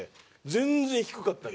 全然低かったり。